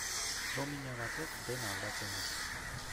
Domina batek dena aldatzen du.